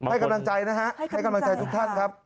ให้กำลังใจนะฮะให้กำลังใจทุกท่านครับ